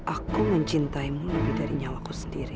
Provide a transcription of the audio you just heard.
aku mencintaimu lebih dari nyawa ku sendiri